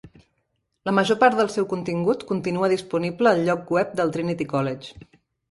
La major part del seu contingut continua disponible al lloc web del Trinity College.